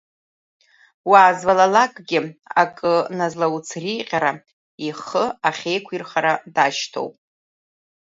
Уаазвалалакгьы акы назлоуцриҟьара, ихы ахьеиқәирхара дашьҭоуп.